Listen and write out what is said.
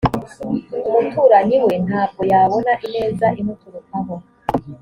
umuturanyi we ntabwo yabona ineza imuturukaho